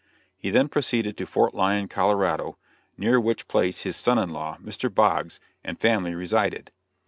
He then proceeded to Fort Lyon, Colorado, near which place his son in law, Mr. Boggs, and family, resided.